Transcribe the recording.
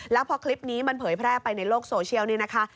แล้วพอคลิปนี้มันเผยแพร่ไปในโลกโซเชียลนี่นะคะ